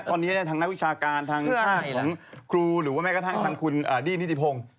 ตอนนี้ทางนักวิชาการทางชาติของครูหรือว่าแม้กระทั่งทางคุณดี้นิติพงศ์